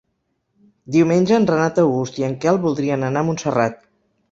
Diumenge en Renat August i en Quel voldrien anar a Montserrat.